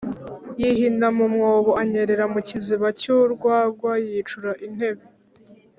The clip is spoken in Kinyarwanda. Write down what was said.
yihina mu mwobo, anyerera mu kiziba cy'urwagwa, yicura intembe.